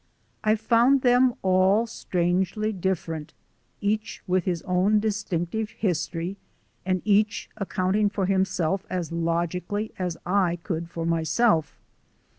I found them all strangely different, each with his own distinctive history, and each accounting for himself as logically as I could for myself.